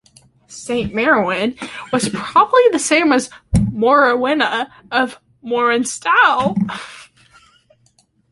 Saint Marwenne was probably the same as Morwenna of Morwenstow.